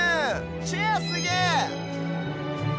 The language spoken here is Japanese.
チェアすげえ！